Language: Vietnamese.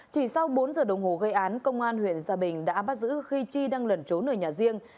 chỉ sau bốn giờ đồng hồ gây án công an huyện gia bình đã bắt giữ khi chi đang lẩn trốn ở nhà riêng